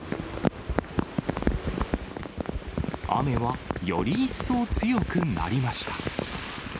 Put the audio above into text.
雨はより一層強くなりました。